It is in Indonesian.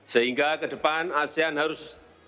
sehingga kedepan asean harus